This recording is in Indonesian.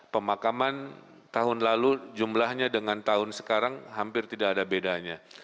pemakaman tahun lalu jumlahnya dengan tahun sekarang hampir tidak ada bedanya